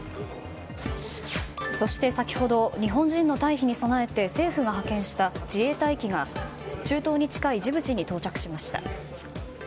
そして、先ほど日本人の退避に備えて政府が派遣した自衛隊機が中東に近いジブチに到着しました。